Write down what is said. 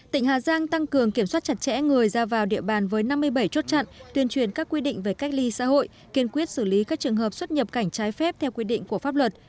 tỉnh hà giang tăng cường kiểm soát chặt chẽ người ra vào địa bàn với năm mươi bảy chốt chặn tuyên truyền các quy định về cách ly xã hội kiên quyết xử lý các trường hợp xuất nhập cảnh trái phép theo quy định của pháp luật